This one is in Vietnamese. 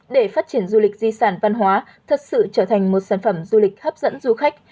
để phát triển du lịch di sản văn hóa thật sự trở thành một sản phẩm du lịch hấp dẫn du khách